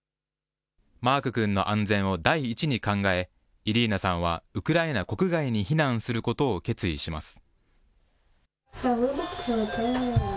マーク君の安全を第一に考え、イリーナさんはウクライナ国外に避難することを決意します。